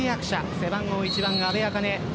背番号１番・阿部明音。